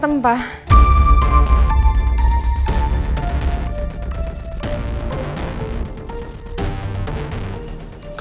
hem puntos buka